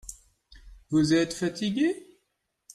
Vous êtes fatigué ?